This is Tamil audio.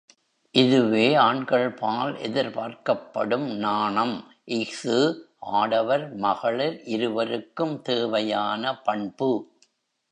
இதுவே ஆண்கள்பால் எதிர்பார்க்கப்படும் நாணம், இஃது ஆடவர் மகளிர் இருவருக்கும் தேவையான பண்பு.